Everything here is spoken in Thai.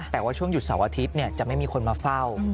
แต่ว่าช่วงหยุดเสาร์อาทิตย์จะไม่มีคนมาเฝ้า